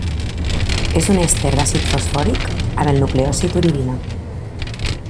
És un èster d'àcid fosfòric amb el nucleòsid uridina.